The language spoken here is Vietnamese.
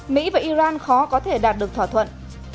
mỹ và iran khó có thể đạt được thỏa thuận